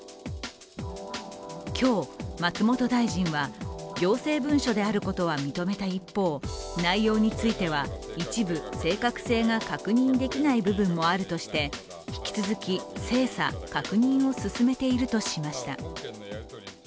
今日、松本大臣は行政文書であることは認めた一方内容については一部、正確性が確認できない部分もあるとして引き続き精査・確認を進めているとしました。